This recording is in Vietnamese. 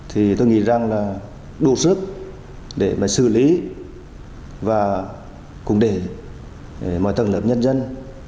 thì tôi nghĩ rằng là đủ sức để mà xử lý và cùng để mọi tầng lớp nhân dân